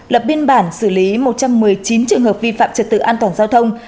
lập biên bản xử lý một trăm một mươi chín trường hợp vi phạm trật tự an toàn giao thông